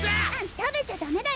食べちゃダメだよ。